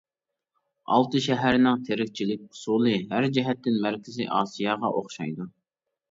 ئالتە شەھەرنىڭ تىرىكچىلىك ئۇسۇلى ھەر جەھەتتىن مەركىزى ئاسىياغا ئوخشايدۇ.